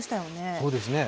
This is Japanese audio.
そうですね。